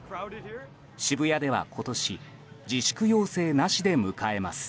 渋谷では今年自粛要請なしで迎えます。